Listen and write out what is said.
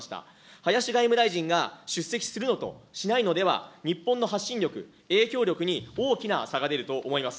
林外務大臣が出席するのとしないのでは、日本の発信力、影響力に大きな差が出ると思います。